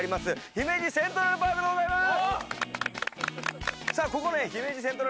姫路セントラルパークでございます。